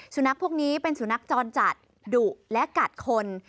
สุนัขพวกนี้เป็นสุนัขจรจัดดุและกัดคน